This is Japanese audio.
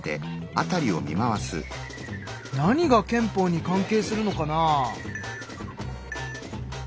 何が憲法に関係するのかな？